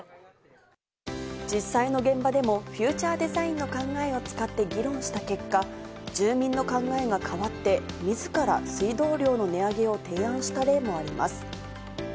実際の現場でも、フューチャーデザインの考えを使って議論した結果、住民の考えが変わって、みずから水道料の値上げを提案した例もあります。